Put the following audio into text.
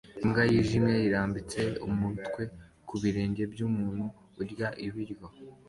Imbwa yijimye irambitse umutwe ku bibero byumuntu urya ibiryo